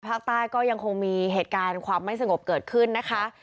ภาคใต้ก็ยังคงมีเหตุการณ์ความไม่สงบเกิดขึ้นนะคะ